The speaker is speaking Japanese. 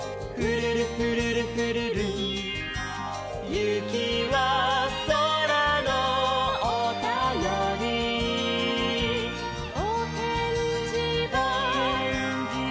「ゆきはそらのおたより」「おへんじは」